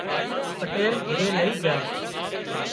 پٽيل گھري لئي جھا